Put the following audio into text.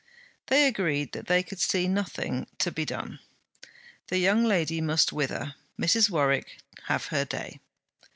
They agreed that they could see nothing to be done. The young lady must wither, Mrs. Warwick have her day.